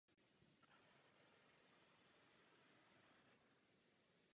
Kdo se tady bojí hlasu lidu?